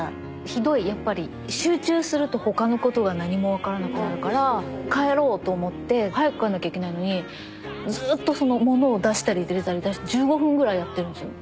ひどいやっぱり集中するとほかのことが何もわからなくなるから帰ろうと思って早く帰んなきゃいけないのにずっとものを出したり入れたり１５分ぐらいやってるんですよ。